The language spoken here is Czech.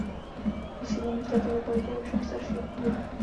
Osídlení v této lokalitě je ovšem staršího původu.